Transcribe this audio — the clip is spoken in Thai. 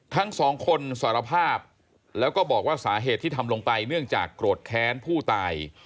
ทั้งสองคนสารภาพแล้วก็บอกว่าสาเหตุที่ทำลงไปเนื่องจากโกรธแค้นผู้ตาย